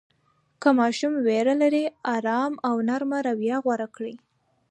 که ماشوم ویره لري، آرام او نرمه رویه غوره کړئ.